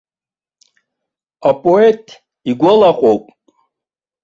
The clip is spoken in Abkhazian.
Апоет игәалаҟоуп.